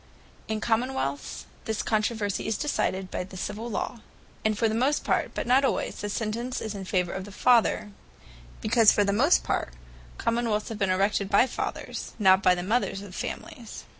In Common wealths, this controversie is decided by the Civill Law: and for the most part, (but not alwayes) the sentence is in favour of the Father; because for the most part Common wealths have been erected by the Fathers, not by the Mothers of families.